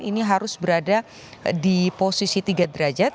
ini harus berada di posisi tiga derajat